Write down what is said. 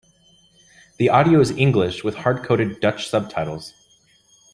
The audio is English with hardcoded Dutch subtitles.